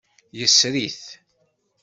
Yesri-t.